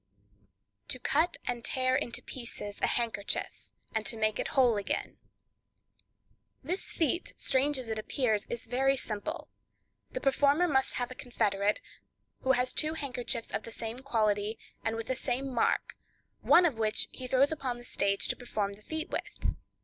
To Cut and Tear into Pieces a Handkerchief, and to Make it Whole Again.—This feat, strange as it appears, is very simple; the performer must have a confederate, who has two handkerchiefs of the same quality, and with the same mark, one of which he throws upon the stage to perform the feat with.